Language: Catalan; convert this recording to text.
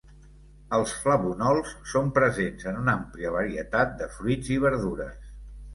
Els flavonols són presents en una àmplia varietat de fruits i verdures.